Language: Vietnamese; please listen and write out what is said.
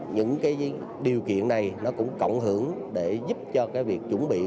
những điều kiện này cũng cộng hưởng để giúp cho việc chuẩn bị